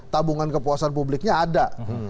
tabungan kepuasan publiknya ada